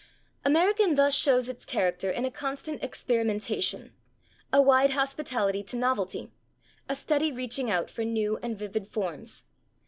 " American thus shows its character in a constant experimentation, a wide hospitality to novelty, a steady reaching out for new and vivid forms.